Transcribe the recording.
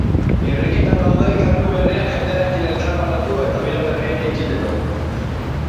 Irrikitan gaude kantu berriak jendearekin elkarbanatu eta bira berriari ekiteko.